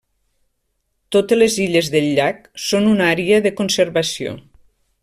Totes les illes del llac són una àrea de conservació.